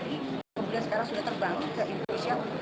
kemudian sekarang sudah terbangun ke indonesia